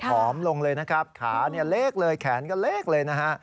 อมลงเลยนะครับขาเนี่ยเล็กเลยแขนก็เล็กเลยนะฮะ